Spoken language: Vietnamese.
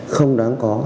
không đáng có